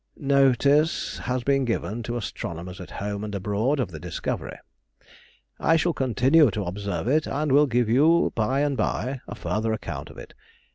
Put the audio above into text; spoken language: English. Notice has been given to astronomers at home and abroad of the discovery. I shall continue to observe it, and will give you by and by a further account of it.